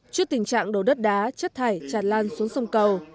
trước tình trạng đổ đất đá chất thải tràn lan xuống sông cầu